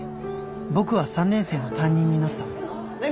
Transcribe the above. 僕は３年生の担任になったねぇ